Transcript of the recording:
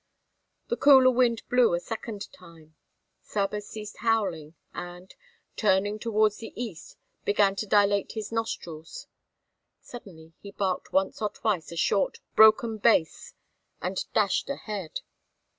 The cooler wind blew a second time. Saba ceased howling and, turning towards the east, began to dilate his nostrils. Suddenly he barked once or twice a short, broken bass and dashed ahead.